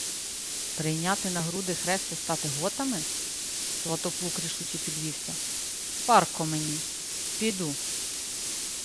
— Прийняти на груди хрест і стати готами? — Сватоплук рішуче підвівся. — Парко мені. Піду.